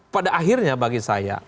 pada akhirnya bagi saya